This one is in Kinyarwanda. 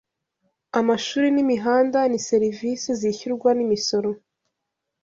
Amashuri n'imihanda ni serivisi zishyurwa n'imisoro.